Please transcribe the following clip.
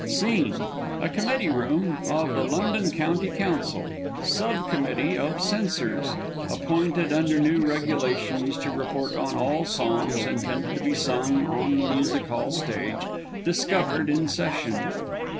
SCENE _A Committee room of the L. C. C.; Sub Committee of Censors, (appointed, under new regulations, to report on all songs intended to be sung on the Music hall Stage,) discovered in session.